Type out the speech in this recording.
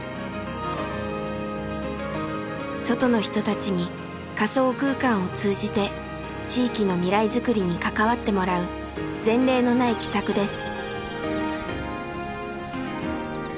外の人たちに仮想空間を通じて地域の未来づくりに関わってもらう前例のない奇策です。